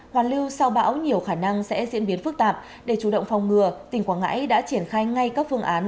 hoàn lưu sau bão nhiều khả năng sẽ diễn biến phức tạp để chủ động phòng ngừa tỉnh quảng ngãi đã triển khai ngay các phương án